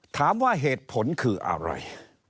ถามว่าเหตุผลคืออะไร